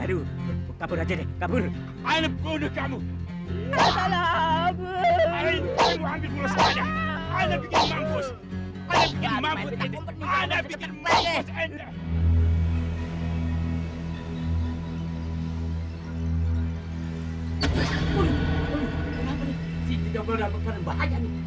aduh kenapa ini si cebol dapatkan bahaya ini